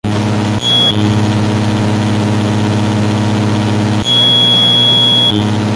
Pesca y Agricultura tiene sus propios límites.